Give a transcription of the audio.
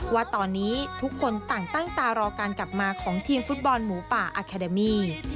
ว่าตอนนี้ทุกคนต่างตั้งตารอการกลับมาของทีมฟุตบอลหมูป่าอาคาเดมี่